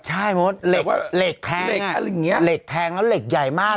ใช่โมดเล็กเล็กแทงอะไรอย่างเงี้ยเล็กแทงแล้วเล็กใหญ่มาก